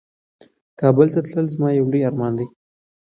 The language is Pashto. کابل ته تلل زما یو لوی ارمان دی.